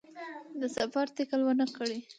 د سفر تکل ونکړي.